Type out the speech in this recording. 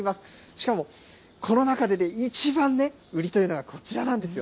しかも、この中で一番ね、売りというのがこちらなんですよ。